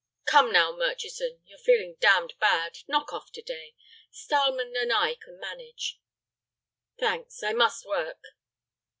"Come now, Murchison, you're feeling damned bad. Knock off to day. Stileman and I can manage." "Thanks. I must work."